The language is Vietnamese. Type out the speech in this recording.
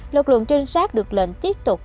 lực lượng trinh sát được lệnh tiếp tục